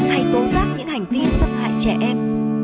hay tố giáp những hành vi sắp hại trẻ em